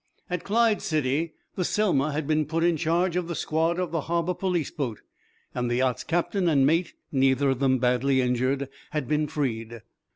At Clyde City the "Selma" had been put in charge of the squad of the harbor police boat, and the yacht's captain and mate, neither of them badly injured, had been freed.